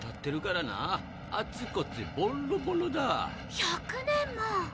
１００年も。